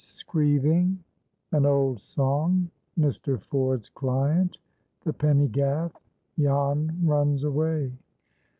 SCREEVING.—AN OLD SONG.—MR. FORD'S CLIENT.—THE PENNY GAFF.—JAN RUNS AWAY.